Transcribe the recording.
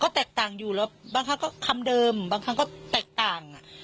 แตกต่างอยู่แล้วบางครั้งก็คำเดิมบางครั้งก็แตกต่าง